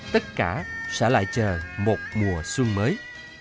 tất cả sẽ lại chờ một mùa xuân mới